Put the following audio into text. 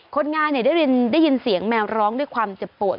คนงานได้ยินเสียงแมวร้องด้วยความเจ็บปวด